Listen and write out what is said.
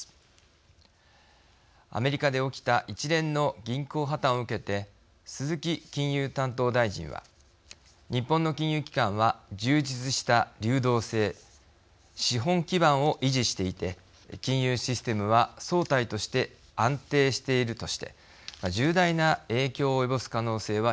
アメリカで起きた一連の銀行破綻を受けて鈴木金融担当大臣は「日本の金融機関は充実した流動性資本基盤を維持していて金融システムは総体として安定している」として重大な影響を及ぼす可能性は低いとしています。